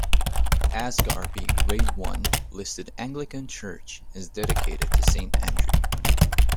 Asgarby Grade One listed Anglican church is dedicated to Saint Andrew.